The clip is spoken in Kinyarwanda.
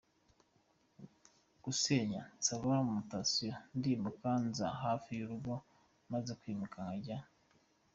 gusenya nsaba mutation ndimuka nza hafi y’urugo maze kwimuka nkajya.